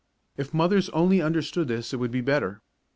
If mothers only understood this it would be better.